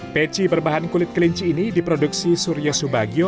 peci berbahan kulit kelinci ini diproduksi surya subagio